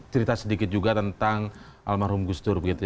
cerita sedikit juga tentang almarhum gusdur